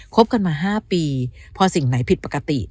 บกันมา๕ปีพอสิ่งไหนผิดปกติ